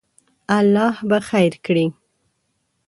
الله به خیر کړی